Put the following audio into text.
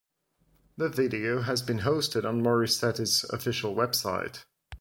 The video has been hosted on Morissette's official website.